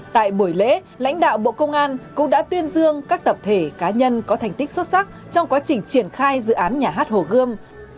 tại buổi lễ lãnh đạo bộ công an cũng đã tuyên dương các tập thể cá nhân có thành tích xuất sắc trong quá trình triển khai dự án nhà hát hồ gươm